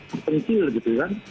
perpengkil gitu kan